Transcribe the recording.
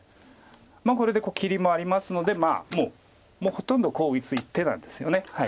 これで切りもありますのでほとんどこう打つ一手なんですよね。